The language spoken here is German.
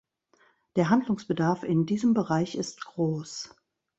Der Handlungsbedarf in diesem Bereich ist groß.